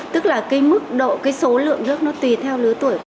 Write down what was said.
tức là cái mức độ cái số lượng nước nó tùy theo lứa tuổi